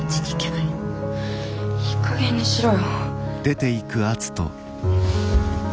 いいかげんにしろよ。